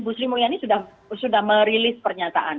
bu sri mulyani sudah merilis pernyataan